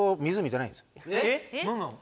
何なの？